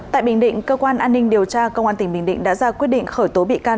tại bình định cơ quan an ninh điều tra công an tỉnh bình định đã ra quyết định khởi tố bị can